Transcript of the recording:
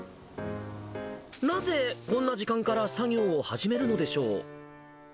なぜこんな時間から作業を始めるんでしょう。